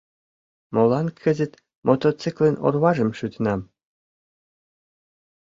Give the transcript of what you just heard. Молан кызыт мотоциклын орважым шӱтенам?